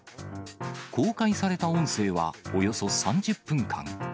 公開された音声はおよそ３０分間。